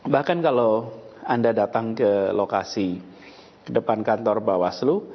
bahkan kalau anda datang ke lokasi depan kantor bawaslu